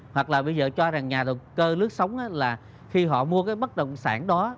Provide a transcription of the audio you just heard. hoặc là bây giờ cho rằng nhà đầu cơ lướt sóng là khi họ mua cái bất động sản đó